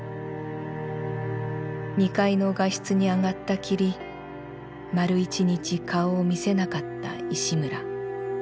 二階の画室にあがったきり丸一日顔を見せなかった石村。